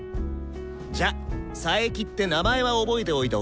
じゃあ佐伯って名前は覚えておいたほうがいいぜ。